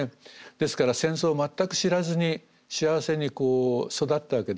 ですから戦争を全く知らずに幸せに育ったわけです。